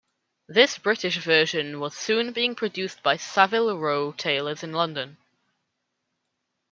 This British version was soon being produced by Savile Row tailors in London.